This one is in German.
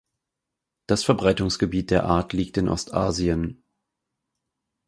Das Verbreitungsgebiet der Art liegt in Ostasien.